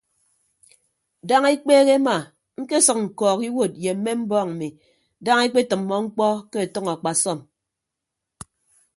Daña ekpeehe ema ñkesʌk ñkọọk iwuod ye mme mbọọñ mmi daña ekpetʌmmọ mkpọ ke ọtʌñ akpasọm.